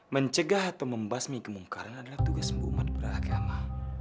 mencegah atau membasmi kemungkaran adalah tugasmu umat beragama